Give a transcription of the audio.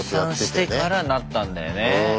出産してからなったんだよね。